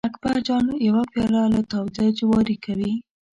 اکبر جان یو پیاله له تاوده جواري کوي.